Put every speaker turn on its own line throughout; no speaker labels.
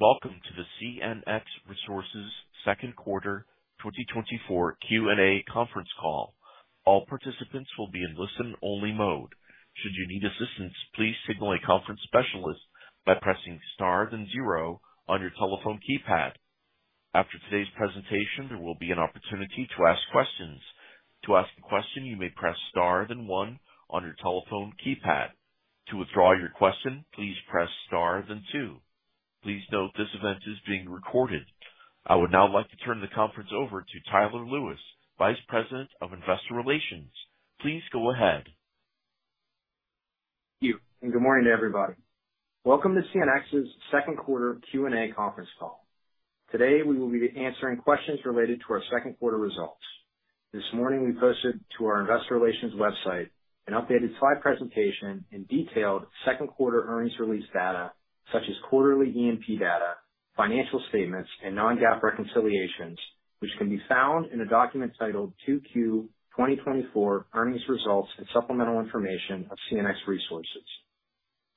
...Welcome to the CNX Resources second quarter 2024 Q&A conference call. All participants will be in listen-only mode. Should you need assistance, please signal a conference specialist by pressing star then zero on your telephone keypad. After today's presentation, there will be an opportunity to ask questions. To ask a question, you may press star, then one on your telephone keypad. To withdraw your question, please press star, then two. Please note, this event is being recorded. I would now like to turn the conference over to Tyler Lewis, Vice President of Investor Relations. Please go ahead.
Thank you, and good morning to everybody. Welcome to CNX's second quarter Q&A conference call. Today, we will be answering questions related to our second quarter results. This morning, we posted to our investor relations website an updated slide presentation and detailed second quarter earnings release data, such as quarterly E&P data, financial statements, and non-GAAP reconciliations, which can be found in a document titled "2Q 2024 Earnings Results and Supplemental Information of CNX Resources."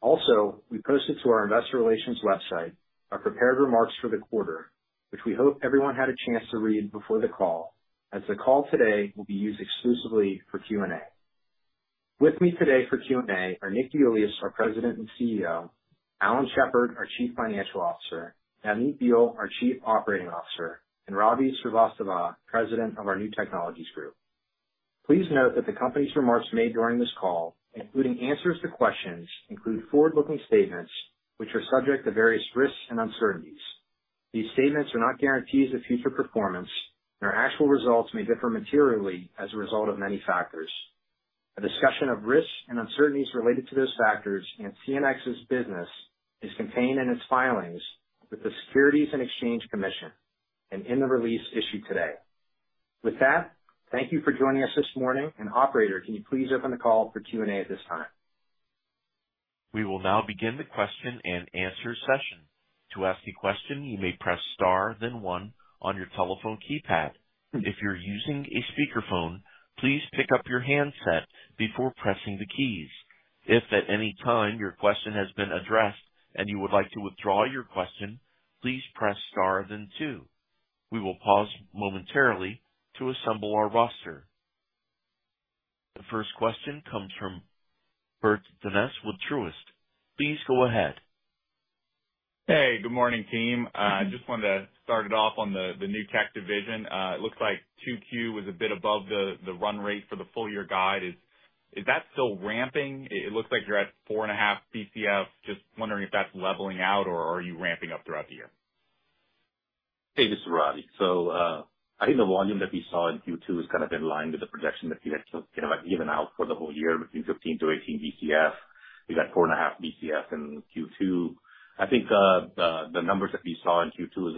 Also, we posted to our investor relations website our prepared remarks for the quarter, which we hope everyone had a chance to read before the call, as the call today will be used exclusively for Q&A. With me today for Q&A are Nick DeIuliis, our President and CEO, Alan Shepard, our Chief Financial Officer, Navneet Behl, our Chief Operating Officer, and Ravi Srivastava, President of our New Technologies Group. Please note that the company's remarks made during this call, including answers to questions, include forward-looking statements, which are subject to various risks and uncertainties. These statements are not guarantees of future performance, and our actual results may differ materially as a result of many factors. A discussion of risks and uncertainties related to those factors in CNX's business is contained in its filings with the Securities and Exchange Commission and in the release issued today. With that, thank you for joining us this morning, and operator, can you please open the call for Q&A at this time?
We will now begin the question and answer session. To ask a question, you may press star then one on your telephone keypad. If you're using a speakerphone, please pick up your handset before pressing the keys. If at any time your question has been addressed and you would like to withdraw your question, please press star then two. We will pause momentarily to assemble our roster. The first question comes from Bert Donnes with Truist. Please go ahead.
Hey, good morning, team. Just wanted to start it off on the new tech division. It looks like 2Q was a bit above the run rate for the full year guide. Is that still ramping? It looks like you're at 4.5 BCF. Just wondering if that's leveling out or are you ramping up throughout the year?
Hey, this is Ravi. So, I think the volume that we saw in Q2 is kind of in line with the projection that we had kind of like given out for the whole year, between 15-18 BCF. We got 4.5 BCF in Q2. I think the numbers that we saw in Q2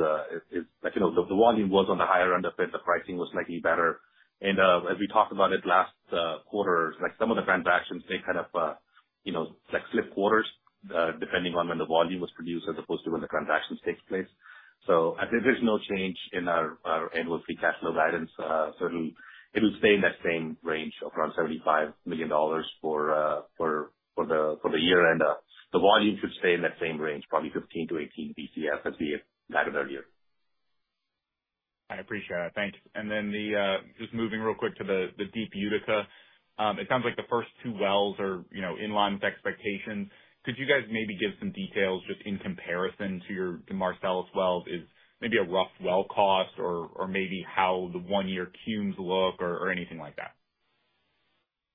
is like you know the volume was on the higher end of it. The pricing was slightly better. And as we talked about it last quarter, like some of the transactions they kind of you know like slip quarters depending on when the volume was produced as opposed to when the transactions takes place. So I think there's no change in our annual free cash flow guidance. So it'll stay in that same range of around $75 million for the year. And the volume should stay in that same range, probably 15-18 Bcf, as we had guided earlier.
I appreciate it. Thanks. And then, just moving real quick to the Deep Utica. It sounds like the first two wells are, you know, in line with expectations. Could you guys maybe give some details just in comparison to your Marcellus wells? Is maybe a rough well cost or, or maybe how the one-year cumes look or, or anything like that?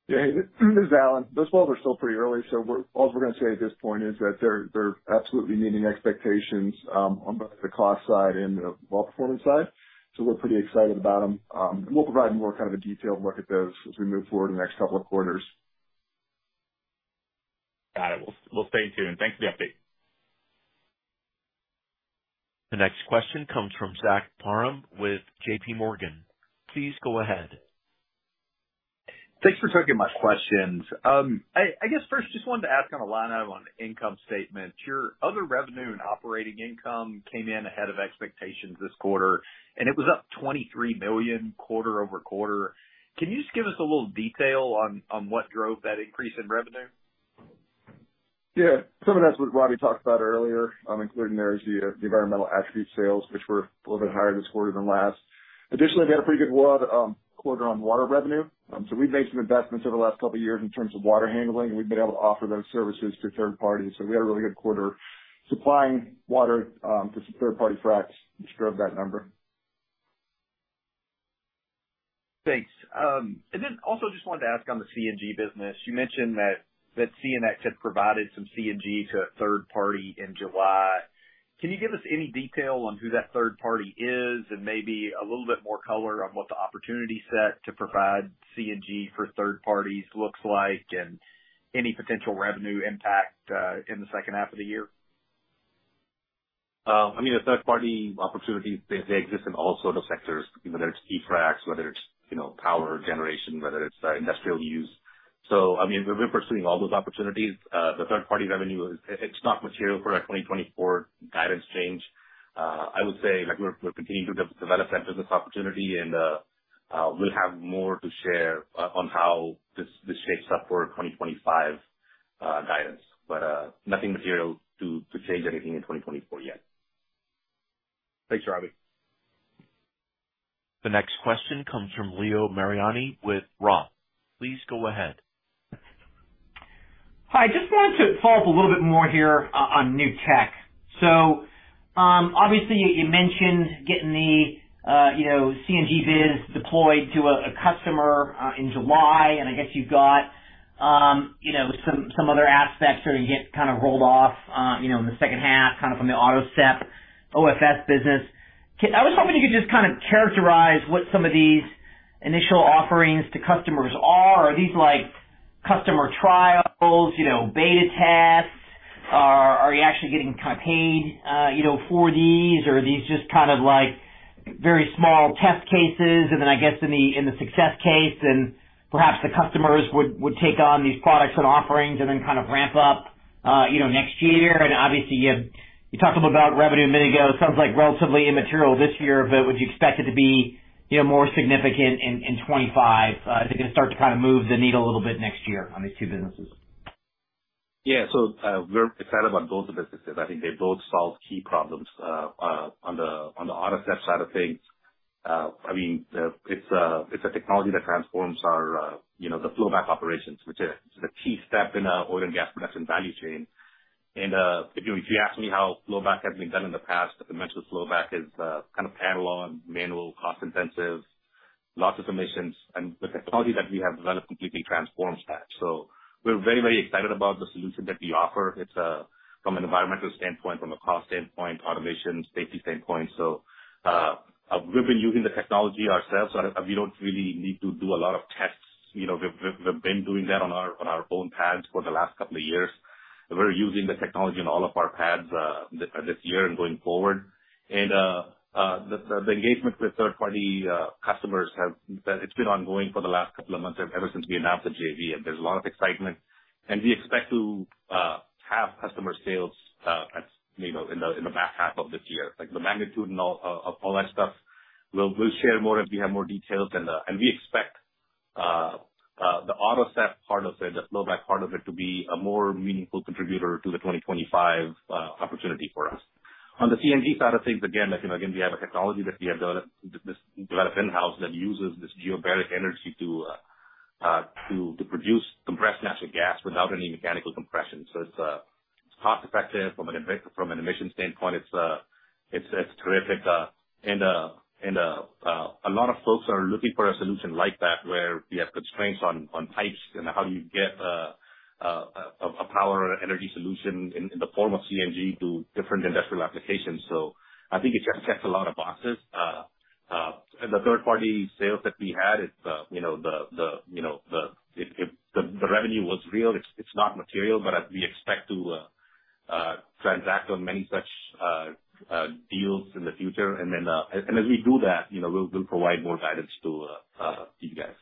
Yeah. This is Alan. Those wells are still pretty early, so we're all we're gonna say at this point is that they're absolutely meeting expectations on both the cost side and the well performance side. So we're pretty excited about them. We'll provide more kind of a detailed look at those as we move forward in the next couple of quarters.
Got it. We'll stay tuned. Thanks for the update.
The next question comes from Zach Parham with JPMorgan. Please go ahead.
Thanks for taking my questions. I guess first just wanted to ask on a line item on income statement. Your other revenue and operating income came in ahead of expectations this quarter, and it was up $23 million quarter-over-quarter. Can you just give us a little detail on what drove that increase in revenue?
Yeah. Some of that's what Ravi talked about earlier, including there's the environmental attribute sales, which were a little bit higher this quarter than last. Additionally, we had a pretty good quarter on water revenue. So we've made some investments over the last couple of years in terms of water handling, and we've been able to offer those services to third parties. So we had a really good quarter supplying water for some third-party fracs, which drove that number.
Thanks. And then also just wanted to ask on the CNG business, you mentioned that CNX had provided some CNG to a third party in July. Can you give us any detail on who that third party is, and maybe a little bit more color on what the opportunity set to provide CNG for third parties looks like, and any potential revenue impact in the second half of the year?
I mean, the third-party opportunities, they, they exist in all sorts of sectors, whether it's fracs, whether it's, you know, power generation, whether it's, industrial use. So, I mean, we've been pursuing all those opportunities. The third-party revenue is... It, it's not material for a 2024 guidance change. I would say, like, we're, we're continuing to develop that business opportunity, and, we'll have more to share, on how this, this shapes up for 2025, guidance, but, nothing material to, to change anything in 2024 yet.
Thanks, Ravi.
The next question comes from Leo Mariani with Roth. Please go ahead.
Hi, just wanted to follow up a little bit more here on new tech. So, obviously, you mentioned getting the, you know, CNG biz deployed to a customer in July, and I guess you've got, you know, some other aspects that are getting kind of rolled off in the second half, kind of from the AutoSep OFS business. I was hoping you could just kind of characterize what some of these initial offerings to customers are. Are these, like, customer trials, you know, beta tests? Are you actually getting kind of paid, you know, for these, or are these just kind of like very small test cases, and then I guess in the success case, then perhaps the customers would take on these products and offerings and then kind of ramp up, you know, next year? And obviously, you have -- you talked a little about revenue a minute ago. It sounds like relatively immaterial this year, but would you expect it to be, you know, more significant in 2025? Is it gonna start to kind of move the needle a little bit next year on these two businesses?
Yeah. So, we're excited about both the businesses. I think they both solve key problems. On the AutoSep side of things, I mean, it's a technology that transforms our, you know, the flowback operations, which is a key step in our oil and gas production value chain. And, if you ask me how flowback has been done in the past, I mentioned flowback is, kind of analog, manual, cost-intensive, lots of emissions, and the technology that we have developed completely transforms that. So we're very, very excited about the solution that we offer. It's, from an environmental standpoint, from a cost standpoint, automation, safety standpoint. So, we've been using the technology ourselves, so we don't really need to do a lot of tests. You know, we've been doing that on our own pads for the last couple of years. We're using the technology on all of our pads this year and going forward. And the engagement with third-party customers have, it's been ongoing for the last couple of months, ever since we announced the JV, and there's a lot of excitement, and we expect to have customer sales, you know, in the back half of this year. Like, the magnitude and all of all that stuff, we'll share more as we have more details, and and we expect the AutoSep part of it, the flowback part of it, to be a more meaningful contributor to the 2025 opportunity for us. On the CNG side of things, again, like, you know, again, we have a technology that we have developed, this developed in-house, that uses this geobaric energy to produce compressed natural gas without any mechanical compression. So it's cost effective from an emission standpoint. It's terrific. And a lot of folks are looking for a solution like that, where we have constraints on pipes and how do you get a power energy solution in the form of CNG to different industrial applications. So I think it checks a lot of boxes. And the third-party sales that we had, it's you know, the revenue was real. It's not material, but we expect to transact on many such deals in the future. And then, and as we do that, you know, we'll provide more guidance to you guys.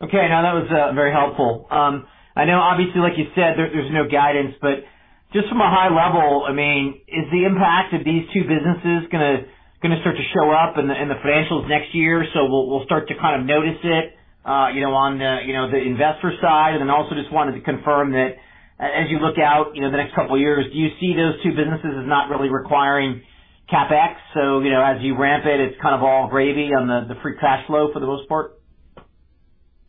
Okay, no, that was very helpful. I know obviously, like you said, there, there's no guidance, but just from a high level, I mean, is the impact of these two businesses gonna, gonna start to show up in the, in the financials next year? So we'll, we'll start to kind of notice it, you know, on the, you know, the investor side. And then also just wanted to confirm that as you look out, you know, the next couple of years, do you see those two businesses as not really requiring CapEx? So, you know, as you ramp it, it's kind of all gravy on the, the free cash flow for the most part.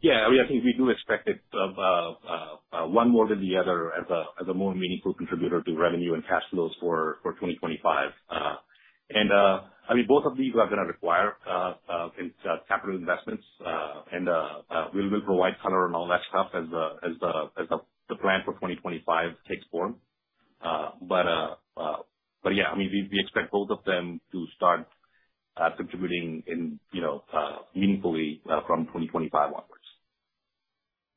Yeah, I mean, I think we do expect it one more than the other as a more meaningful contributor to revenue and cash flows for 2025. And I mean, both of these are gonna require capital investments, and we'll provide color on all that stuff as the plan for 2025 takes form. But yeah, I mean, we expect both of them to start contributing in, you know, meaningfully from 2025 onwards.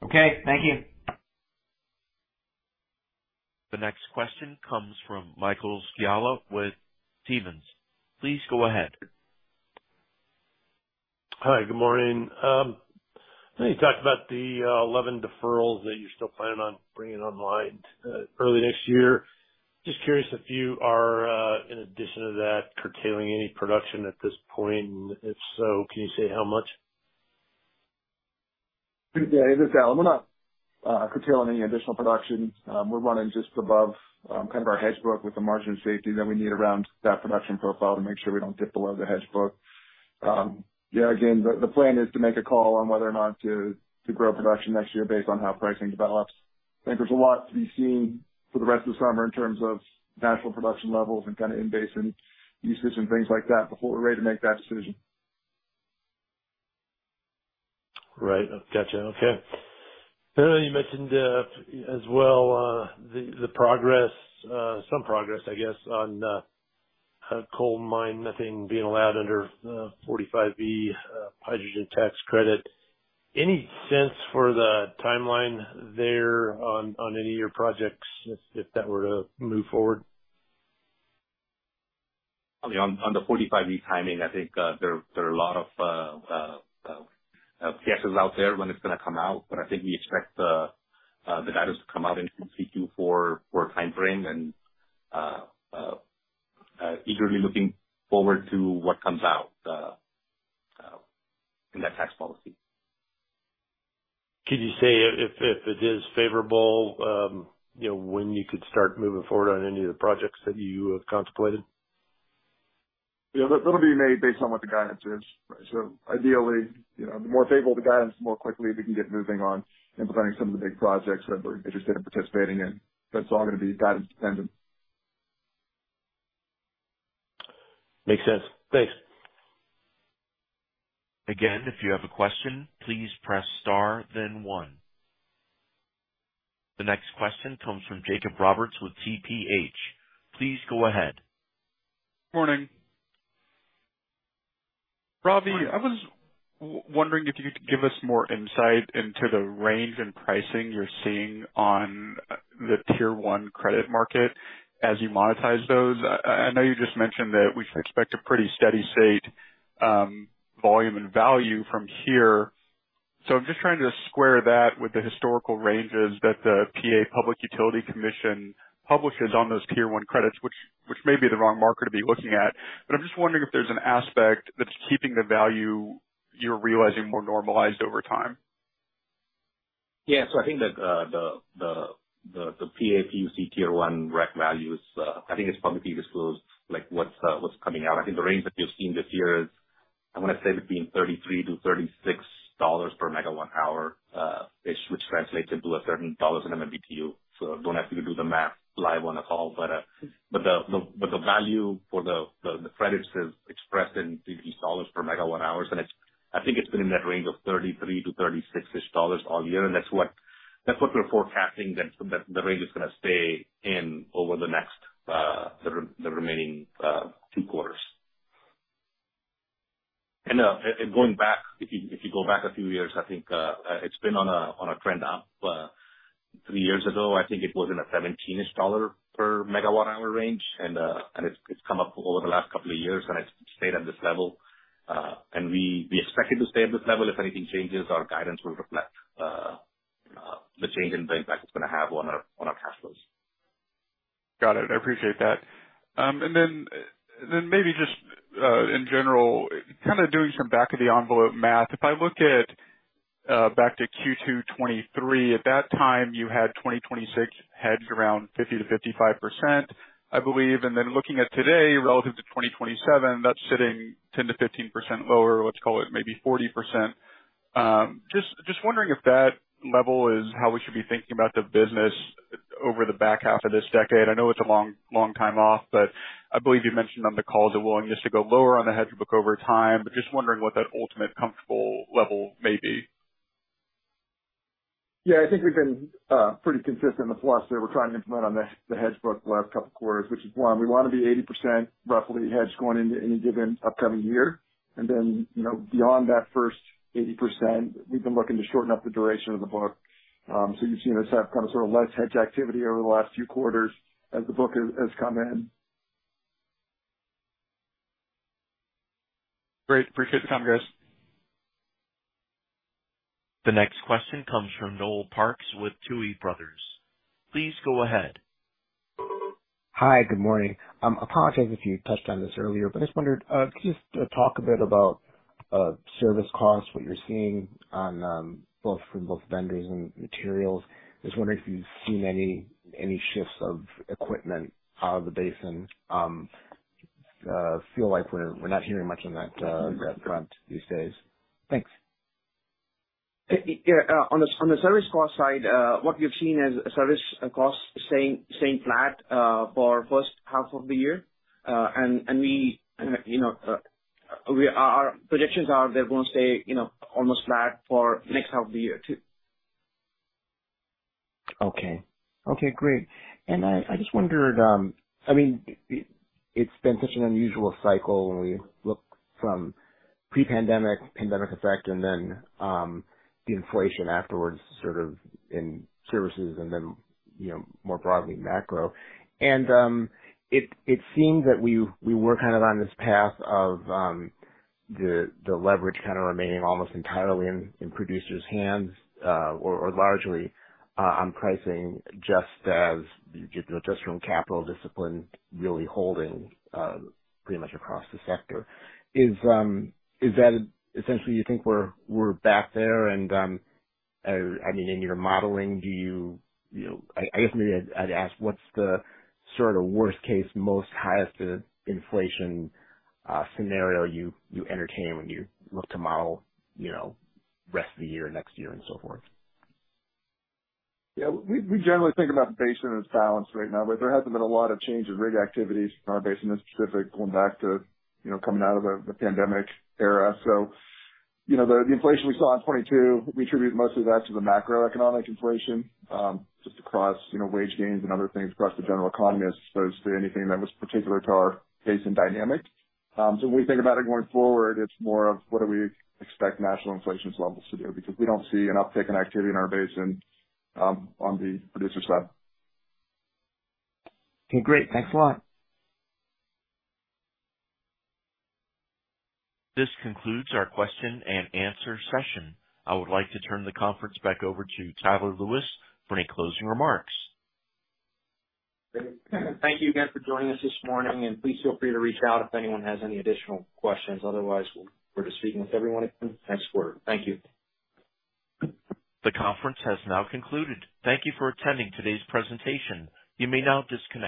Okay. Thank you.
The next question comes from Michael Scialla with Stephens. Please go ahead.
Hi, good morning. I know you talked about the 11 deferrals that you still plan on bringing online early next year. Just curious if you are, in addition to that, curtailing any production at this point, and if so, can you say how much?
Yeah, this is Alan. We're not curtailing any additional production. We're running just above kind of our hedge book with the margin of safety that we need around that production profile to make sure we don't dip below the hedge book. Yeah, again, the plan is to make a call on whether or not to grow production next year based on how pricing develops. I think there's a lot to be seen for the rest of the summer in terms of natural production levels and kind of in-basin usage and things like that, before we're ready to make that decision.
Right. Gotcha. Okay. You mentioned, as well, the progress, some progress, I guess, on coal mine methane being allowed under 45V hydrogen tax credit. Any sense for the timeline there on any of your projects if that were to move forward?
On the 45V timing, I think there are a lot of guesses out there when it's gonna come out, but I think we expect the guidance to come out in Q2 for a timeframe, and eagerly looking forward to what comes out in that tax policy.
Could you say if it is favorable, you know, when you could start moving forward on any of the projects that you have contemplated?
Yeah, that, that'll be made based on what the guidance is. Ideally, you know, the more favorable the guidance, the more quickly we can get moving on implementing some of the big projects that we're interested in participating in. That's all going to be guidance dependent.
Makes sense. Thanks.
Again, if you have a question, please press star then one. The next question comes from Jacob Roberts with TPH. Please go ahead.
Morning. Ravi, I was wondering if you could give us more insight into the range and pricing you're seeing on the Tier 1 REC market as you monetize those. I know you just mentioned that we should expect a pretty steady state volume and value from here. So I'm just trying to square that with the historical ranges that the PA Public Utility Commission publishes on those Tier 1 RECs, which may be the wrong market to be looking at. But I'm just wondering if there's an aspect that's keeping the value you're realizing more normalized over time.
Yeah. So I think that the PA PUC tier one REC value is. I think it's publicly disclosed, like, what's coming out. I think the range that you've seen this year is, I want to say, between $33-$36 per megawatt hour, which translates into a certain dollars in MMBtu. So don't ask me to do the math live on the call, but the value for the credits is expressed in these dollars per megawatt hours, and it's—I think it's been in that range of $33-$36-ish dollars all year. And that's what we're forecasting, that the range is going to stay in over the next, the remaining two quarters. And going back, if you, if you go back a few years, I think, it's been on a, on a trend up. Three years ago, I think it was in a $17-ish per megawatt hour range, and it's, it's come up over the last couple of years, and it's stayed at this level. And we, we expect it to stay at this level. If anything changes, our guidance will reflect, the change and the impact it's going to have on our, on our cash flows.
Got it. I appreciate that. And then in general, kind of doing some back-of-the-envelope math. If I look at back to Q2 2023, at that time, you had 2026 hedged around 50%-55%, I believe. And then looking at today, relative to 2027, that's sitting 10%-15% lower, let's call it maybe 40%. Just wondering if that level is how we should be thinking about the business over the back half of this decade. I know it's a long, long time off, but I believe you mentioned on the call the willingness to go lower on the hedge book over time, but just wondering what that ultimate comfortable level may be.
Yeah, I think we've been pretty consistent in the philosophy we're trying to implement on the hedge book the last couple of quarters, which is, one, we want to be 80% roughly hedged going into any given upcoming year. And then, you know, beyond that first 80%, we've been looking to shorten up the duration of the book. So you've seen us have kind of sort of less hedge activity over the last few quarters as the book has come in.
Great. Appreciate the comments.
The next question comes from Noel Parks with Tuohy Brothers. Please go ahead.
Hi, good morning. I apologize if you touched on this earlier, but I just wondered, could you just talk a bit about service costs, what you're seeing on both for both vendors and materials? Just wondering if you've seen any shifts of equipment out of the basin. Feel like we're not hearing much on that front these days. Thanks.
Yeah, on the service cost side, what we have seen is service costs staying flat for first half of the year. And we, you know, our projections are they're gonna stay, you know, almost flat for next half of the year, too.
Okay. Okay, great. And I just wondered... I mean, it's been such an unusual cycle when we look from pre-pandemic, pandemic effect, and then the inflation afterwards, sort of in services and then, you know, more broadly, macro. And it seemed that we were kind of on this path of the leverage kind of remaining almost entirely in producers hands, or largely on pricing, just as, you know, just from capital discipline really holding, pretty much across the sector. Is, is that essentially you think we're back there and, I mean, in your modeling, do you, you know, I guess maybe I'd ask, what's the sort of worst case, most highest inflation scenario you entertain when you look to model, you know, rest of the year, next year, and so forth?
Yeah, we generally think about the basin as balanced right now, but there hasn't been a lot of change in rig activities in our basin in specific, going back to, you know, coming out of the pandemic era. So, you know, the inflation we saw in 2022, we attribute most of that to the macroeconomic inflation just across, you know, wage gains and other things across the general economy, as opposed to anything that was particular to our basin dynamic. So when we think about it going forward, it's more of what do we expect national inflation levels to do? Because we don't see an uptick in activity in our basin on the producer side.
Okay, great. Thanks a lot.
This concludes our question and answer session. I would like to turn the conference back over to Tyler Lewis for any closing remarks.
Thank you again for joining us this morning, and please feel free to reach out if anyone has any additional questions. Otherwise, we'll look forward to speaking with everyone again next quarter. Thank you.
The conference has now concluded. Thank you for attending today's presentation. You may now disconnect.